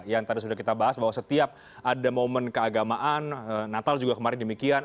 yang tadi sudah kita bahas bahwa setiap ada momen keagamaan natal juga kemarin demikian